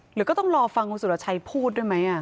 หรือก็ต้องรอฟังคุณสุรชัยพูดด้วยไหม